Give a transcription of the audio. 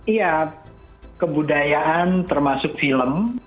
iya kebudayaan termasuk film